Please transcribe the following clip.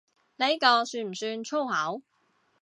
呢個算唔算粗口？